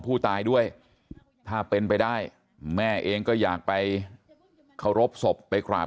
ผู้ตายด้วยถ้าเป็นไปได้แม่เองก็อยากไปเคารพศพไปกราบ